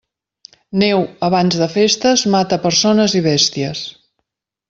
Neu abans de festes mata persones i bèsties.